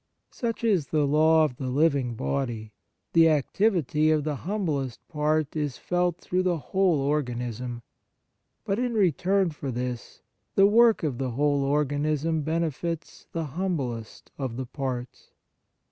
Such is the law of the living body. The activity of the humblest part is felt through the whole organism ; but, 47 On Piety in return for this, the work of the whole organism benefits the humblest of the parts.